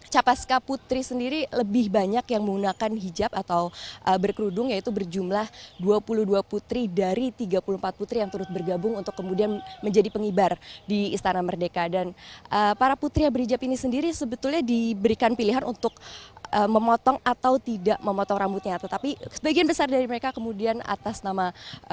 capaska putri sendiri lebih banyak yang menggunakan hijab atau berkerudung yaitu berjumlah dua puluh dua putri dari tiga puluh empat putri yang turut bergabung untuk kemudian menjadi pengibar di istana merdeka dan para putri yang berhijab ini sendiri sebetulnya diberikan pilihan untuk memotong atau tidak memotong rambutnya tetapi sebagian besar dari mereka kemudian atas nama